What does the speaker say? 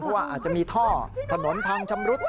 เพราะว่าอาจจะมีท่อถนนพังชำรุด